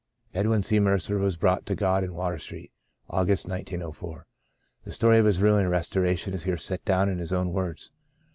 EDWIN C. MERCER was brought to God in Water Street, August, 1904. The story of his ruin and restoration is here set down in his own words.